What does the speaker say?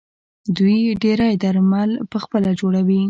دوی ډیری درمل پخپله جوړوي.